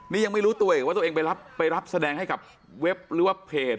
นี่ยังไม่รู้ตัวอีกว่าตัวเองไปรับแสดงให้กับเว็บหรือว่าเพจ